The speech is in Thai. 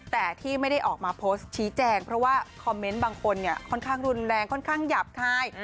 แต่ที่ไม่ได้ออกมาโพสต์ชี้แจงเพราะว่าคอมเมนต์บางคนเนี่ยค่อนข้างรุนแรงค่อนข้างหยาบคาย